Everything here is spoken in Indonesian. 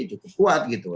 itu kuat gitu